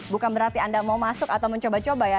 bukan berarti anda mau masuk atau mencoba coba ya